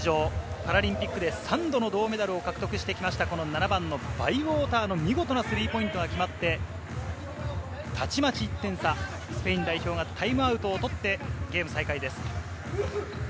パラリンピックで３度の銅メダルを獲得してきました、７番のバイウォーターの見事なスリーポイントが決まって、たちまち１点差、スペイン代表がタイムアウトを取ってゲーム再開です。